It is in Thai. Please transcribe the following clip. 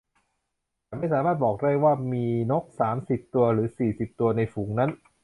ฉันไม่สามารถบอกได้ว่ามีนกสามสิบตัวหรือสี่สิบตัวในฝูงนั้น